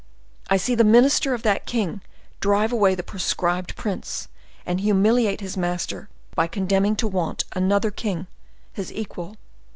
—I see the minister of that king drive away the proscribed prince, and humiliate his master by condemning to want another king, his equal.